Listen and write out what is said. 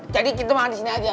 jadi kita makan disini aja